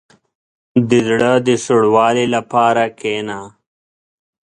• د زړه د سوړوالي لپاره کښېنه.